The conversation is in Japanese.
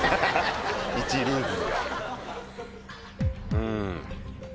うん。